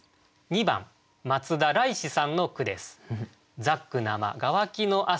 ２番松田蕾子さんの句です。